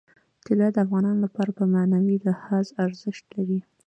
طلا د افغانانو لپاره په معنوي لحاظ ارزښت لري.